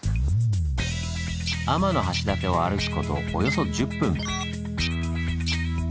天橋立を歩くことおよそ１０分。